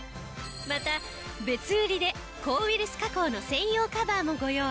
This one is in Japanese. また別売りで抗ウイルス加工の専用カバーもご用意。